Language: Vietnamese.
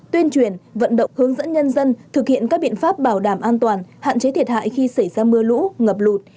tuyên truyền vận động hướng dẫn nhân dân thực hiện các biện pháp bảo đảm an toàn hạn chế thiệt hại khi xảy ra mưa lũ ngập lụt